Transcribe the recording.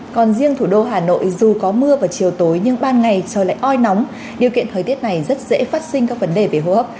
còn riêng thủ đô hà nội dù có mưa vào chiều tối nhưng ban ngày trời lại oi nóng điều kiện thời tiết này rất dễ phát sinh các vấn đề về hô hấp